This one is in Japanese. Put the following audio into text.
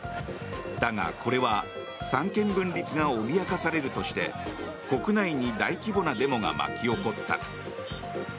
だが、これは三権分立が脅かされるとして国内に大規模なデモが巻き起こった。